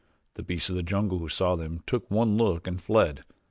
The beasts of the jungle who saw them took one look and fled.